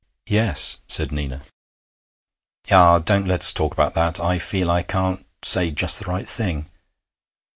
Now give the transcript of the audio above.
'Yes,' said Nina. 'Ah! don't let us talk about that. I feel I can't say just the right thing....